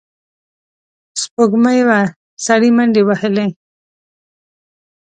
سپوږمۍ وه، سړی منډې وهلې.